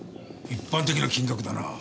一般的な金額だな。